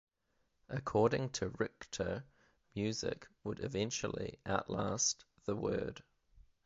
According to Richter, music would eventually 'outlast' the word.